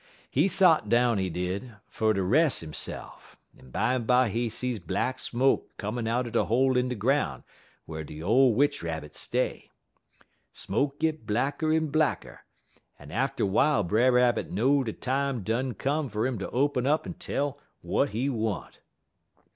"He sot down, he did, fer ter res' hisse'f, en bimeby he see black smoke comin' outer de hole in de groun' whar de ole Witch Rabbit stay. Smoke git blacker en blacker, en atter w'ile Brer Rabbit know de time done come fer 'im ter open up en tell w'at he want."